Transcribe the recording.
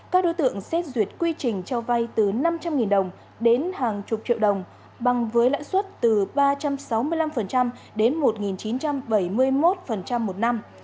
các đối tượng xét duyệt quy trình cho vay từ năm trăm linh đồng đến hàng chục triệu đồng bằng với lãi suất từ ba trăm sáu mươi năm đến một chín trăm bảy mươi một một năm